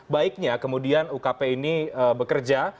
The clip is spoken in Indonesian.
baiknya kemudian ukp ini bekerja